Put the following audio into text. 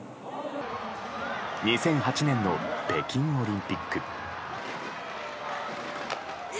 ２００８年の北京オリンピック。